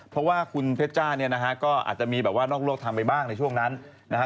เพราะว่าคุณเพชจ้าเนี่ยนะฮะก็อาจจะมีแบบว่านอกโลกทำไปบ้างในช่วงนั้นนะฮะ